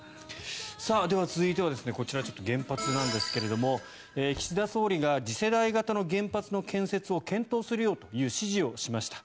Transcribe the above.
では、続いてはこちら原発なんですが岸田総理が次世代型の原発の建設を検討するようにと指示をしました。